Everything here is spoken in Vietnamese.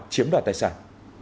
chiếm đoạt tài sản